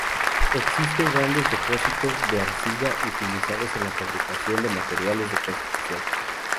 Existen grandes depósitos de arcilla utilizados en la fabricación de materiales de construcción.